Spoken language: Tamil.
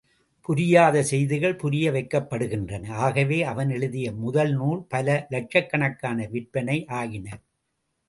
புரியாத செய்திகள் புரிய வைக்கப்படுகின்றன. ஆகவே, அவன் எழுதிய முதல் நூல் பல லட்சக்கணக் கான விற்பனை யாயின.